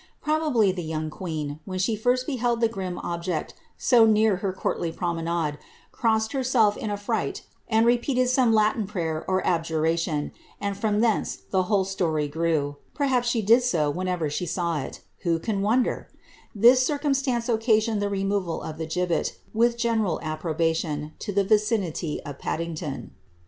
Probably the young queen, when she first beheld the grim object so near her courtly promenade, crossed herself in a fright, and repeated some Latin prayer or adjuration, and from thence the whole story grew ; perhaps she did so whenever she saw it — who can won der } This circumstance occasioned the removal of the gibbet, with general approbation, to the vicinity of Paddington.'